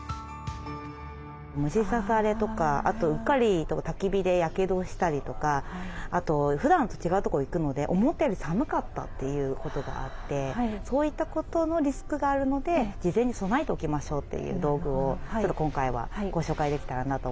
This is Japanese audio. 虫刺されとかあとうっかりたき火でやけどしたりとかあとふだんと違うとこ行くので思ったより寒かったっていうことがあってそういったことのリスクがあるので事前に備えておきましょうという道具をちょっと今回はご紹介できたらなと思ってます。